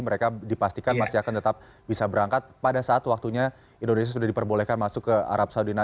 mereka dipastikan masih akan tetap bisa berangkat pada saat waktunya indonesia sudah diperbolehkan masuk ke arab saudi